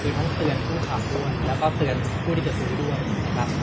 คือทั้งเตือนผู้ขับด้วยแล้วก็เตือนผู้ที่จะซื้อด้วยนะครับ